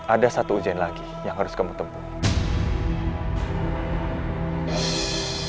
ada satu ujian lagi yang harus kamu tempuh